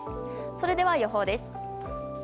それでは予報です。